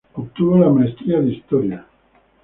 Obtuvo la maestría de historia.